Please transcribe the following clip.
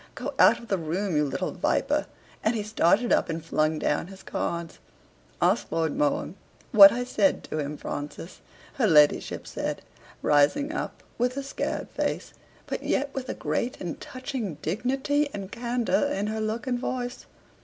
"Go out of the room, you little viper!" and he started up and flung down his cards. "Ask Lord Mohun what I said to him, Francis," her ladyship said, rising up with a scared face, but yet with a great and touching dignity and candor in her look and voice.